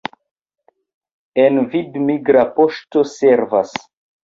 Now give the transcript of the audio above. En Vid migra poŝto servas.